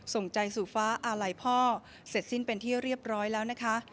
ส่งใจสู่ฟ้าอาลัยพ่อเสร็จสิ้นเป็นที่เรียบร้อยแล้วนะคะ